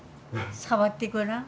触ってごらん。